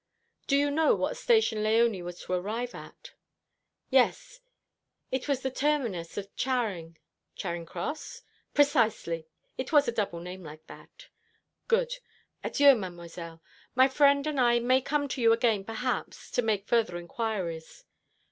"Do you know what station Léonie was to arrive at?" "Yes. It was the terminus of Charing." "Charing Cross?" "Precisely. It was a double name like that." "Good. Adieu, Mademoiselle. My friend and I may come to you again perhaps to make further inquiries."